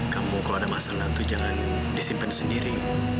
kamu kalau ada masalah itu jangan disimpan sendiri